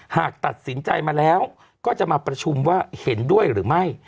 หากตัดสินใจมาแล้วก็จะมาประชุมว่าเห็นด้วยหรือไม่